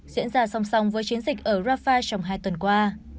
diễn ra song song với chiến dịch ở rafah trong hai tuần qua